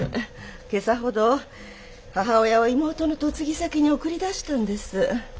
けさほど母親を妹の嫁ぎ先に送り出したんです。